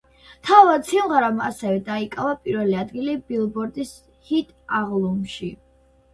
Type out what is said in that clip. თავად სიმღერამ ასევე დაიკავა პირველი ადგილი ბილბორდის ჰიტ-აღლუმში.